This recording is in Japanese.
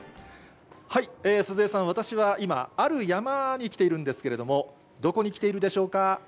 鈴江さん、私は今、ある山に来ているんですけれども、どこに来ているでしょうか。